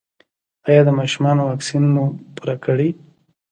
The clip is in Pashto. ایا د ماشومانو واکسین مو پوره کړی؟